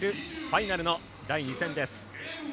ファイナルの第２戦です。